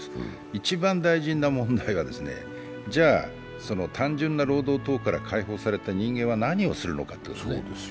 一番大事な問題は、じゃあ、単純な労働等から解放された人間は何をするのかということですね。